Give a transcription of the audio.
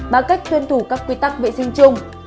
bằng cách tuân thủ các quy tắc vệ sinh chung